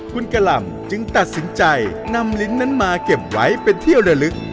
คุณกะหล่ำจึงตัดสินใจนำลิ้นนั้นมาเก็บไว้เป็นเที่ยวละลึก